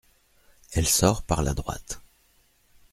Elle sort par la droite.